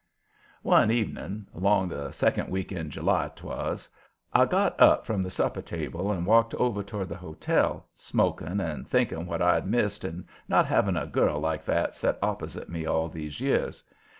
One evening, along the second week in July 'twas, I got up from the supper table and walked over toward the hotel, smoking, and thinking what I'd missed in not having a girl like that set opposite me all these years.